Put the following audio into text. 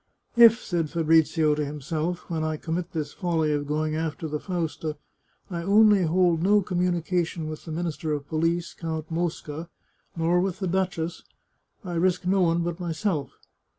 " If," said Fabrizio to himself, " when I commit this folly of going after the Fausta, I only hold no communica tion with the Minister of Police, Count Mosca, nor with the duchess, I risk no one but myself.